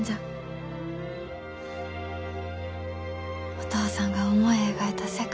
お父さんが思い描いた世界。